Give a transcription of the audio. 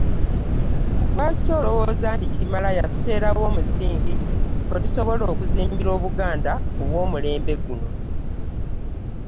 Lwaki olowooza nti Kimala yatuteerawo omusingi kwe tusobola okuzimbira Obuganda obw’omulembe guno?